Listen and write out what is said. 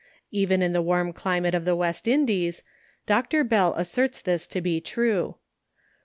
Even in the warm climate of the West Indies, Dr. Bell asserts this to be true.